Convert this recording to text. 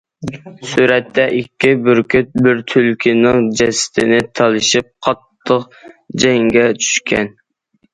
سۈرەتتە، ئىككى بۈركۈت بىر تۈلكىنىڭ جەسىتىنى تالىشىپ قاتتىق جەڭگە چۈشكەن.